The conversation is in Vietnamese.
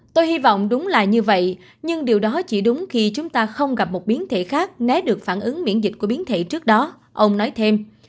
tôi hy vọng đúng là như vậy nhưng điều đó chỉ đúng khi chúng ta không gặp một biến thể khác né được phản ứng miễn dịch của biến thể trước đó ông nói thêm